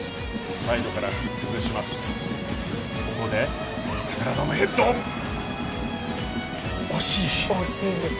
サイドから切り崩します。